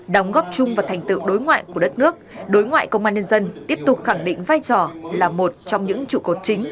đóng góp chung vào thành tựu đối ngoại của đất nước đối ngoại công an nhân dân tiếp tục khẳng định vai trò là một trong những trụ cột chính